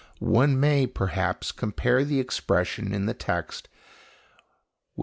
One may perhaps compare the expression in the text with M.